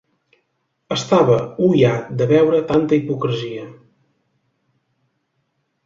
Estava oiat de veure tanta hipocresia.